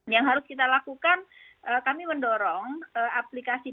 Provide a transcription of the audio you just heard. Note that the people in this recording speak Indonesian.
yang harus kita lakukan kami mendorong aplikasi